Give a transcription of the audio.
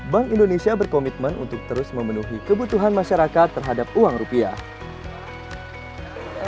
bank indonesia berkomitmen untuk terus memenuhi kebutuhan masyarakat terhadap uang rupiah